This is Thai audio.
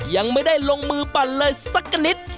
ยังไม่ได้ลงมือปั่นเลยสักกะนิด